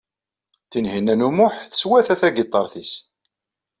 Tinhinan u Muḥ teswata tagiṭart-nnes.